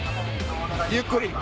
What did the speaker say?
ゆっくり。